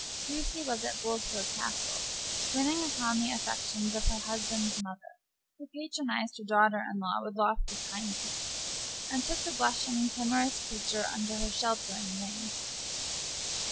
Lucy was at Bulstrode Castle, winning upon the affections of her husband's mother, who patronized her daughter in law with lofty kindness, and took the blushing, timorous creature under her sheltering wing.